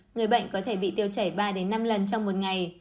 người bệnh có thể bị tiêu chảy ba năm lần trong một ngày